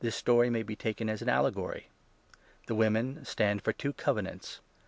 This story may 24 be taken as an allegory. The women stand for two Covenants.